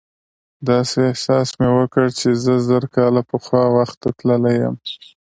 داسې احساس مې وکړ چې زه زر کاله پخوا وخت ته تللی یم.